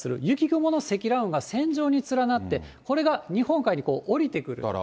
雪雲の積乱雲が線状に連なって、これが日本海に降りてくる。